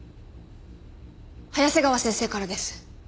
早瀬川先生からです。